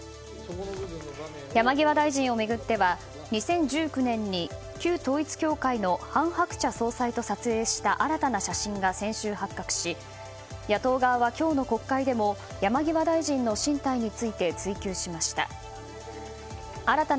山際大臣を巡っては２０１９年に旧統一教会の韓鶴子総裁と撮影した新たな写真が先週、発覚し野党側は今日の国会でも山際大臣の進退について追及しました。